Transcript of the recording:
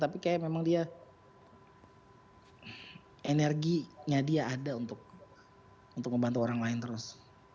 tapi kayak memang dia energinya dia ada untuk membantu orang lain terus